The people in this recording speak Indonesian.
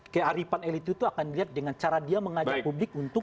kearifan elit itu akan dilihat dengan cara dia mengajak publik untuk